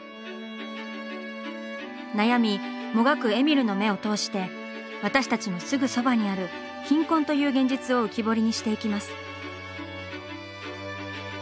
悩みもがくえみるの目を通して私たちのすぐそばにある「貧困」という現実を浮き彫りにしていきます。